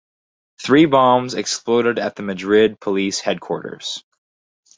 Three bombs exploded at the Madrid police headquarters.